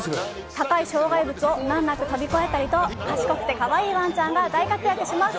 高い障害物を難なく飛び越えたりと、賢くてかわいいワンちゃんが大活躍します。